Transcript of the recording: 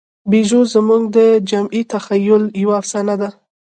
پيژو زموږ د جمعي تخیل یوه افسانه ده.